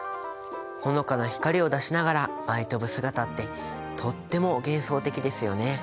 ほのかな光を出しながら舞い飛ぶ姿ってとっても幻想的ですよね。